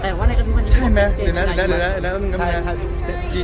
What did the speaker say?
แต่ว่าในการรู้จักกันอย่างไรครับเจมส์